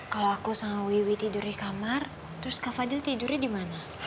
kalau aku sama wiwi tidur di kamar terus kak fadil tidurnya di mana